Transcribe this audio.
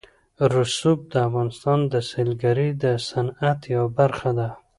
رسوب د افغانستان د سیلګرۍ د صنعت یوه برخه ده.